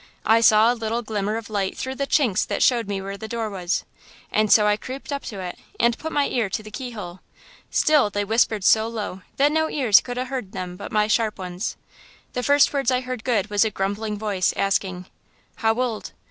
I saw a little glimmer of light through the chinks that showed me where the door was, and so I creeped up to it and put my ear to the keyhole. Still they whispered so low that no ears could o' heard them but my sharp ones. The first words I heard good was a grumbling voice asking: "'How old?'